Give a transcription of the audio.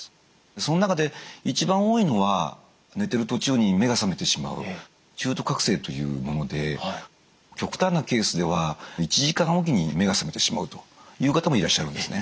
その中で一番多いのは寝てる途中に目が覚めてしまう中途覚醒というもので極端なケースでは１時間おきに目が覚めてしまうという方もいらっしゃるんですね。